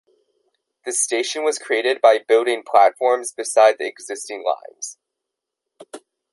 The station was created by building platforms beside the existing lines.